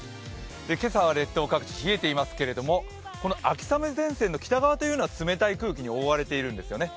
今朝は列島各地冷えていますけれども、秋雨前線の北側は冷たい空気に覆われているんですね。